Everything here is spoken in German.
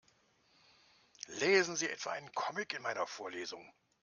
Lesen Sie etwa einen Comic in meiner Vorlesung?